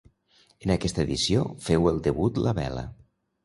En aquesta edició féu el debut la vela.